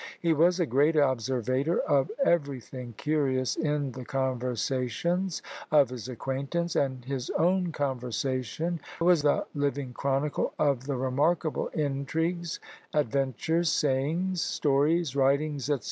He was a great observator of everything curious in the conversations of his acquaintance, and his own conversation was a living chronicle of the remarkable intrigues, adventures, sayings, stories, writings, &c.